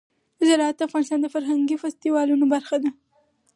زراعت د افغانستان د فرهنګي فستیوالونو برخه ده.